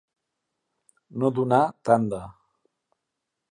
No donar tanda.